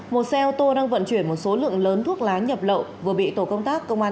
một xe ô tô đang vận chuyển một số lượng lớn thuốc lá nhập lậu vừa bị tổ công tác công an